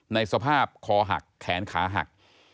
ในสภาพคอหักแขนขาหัก